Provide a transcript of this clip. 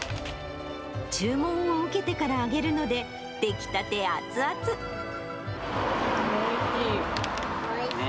注文を受けてから揚げるので、おいしい。